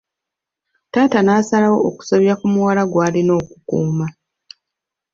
Taata n'asalawo okusobya ku muwala gw'alina okukuuma.